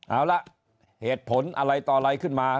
เอาละเหตุผลอะไรต่ออะไรขึ้นมา